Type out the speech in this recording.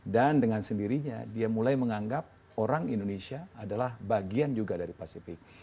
dan kemudian dia mulai menganggap orang indonesia adalah bagian juga dari pasifik